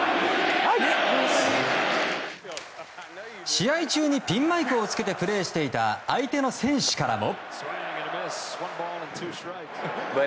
試合中にピンマイクを着けてプレーしていた相手の選手からも。